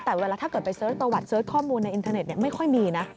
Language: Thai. แต่เวลาถ้าเกิดไปเสิร์ชประวัติเสิร์ชข้อมูลในอินเทอร์เน็ตไม่ค่อยมีนะ